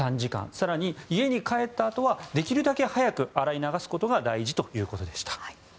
更に、家に帰ったあとはできるだけ早く洗い流すことが大事ということでした。